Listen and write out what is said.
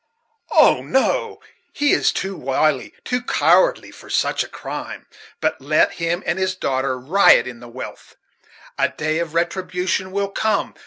Oh, no! he is too wily, too cowardly, for such a crime. But let him and his daughter riot in their wealth a day of retribution will come.